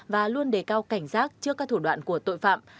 và luôn đề cao cảnh giác trước các thủ đoạn của tội phạm